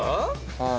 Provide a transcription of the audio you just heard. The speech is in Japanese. はい。